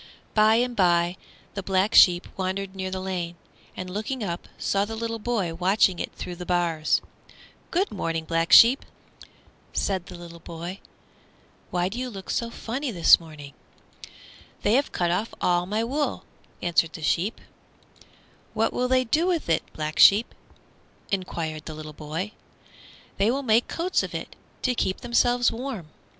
By and by the Black Sheep wandered near the lane, and looking up, saw the little boy watching it through the bars. "Good morning, Black Sheep," said the boy; "why do you look so funny this morning?" "They have cut off my wool," answered the sheep. [Illustration: The Black Sheep] "What will they do with it, Black Sheep?" enquired the little boy. "They will make coats of it, to keep themselves warm."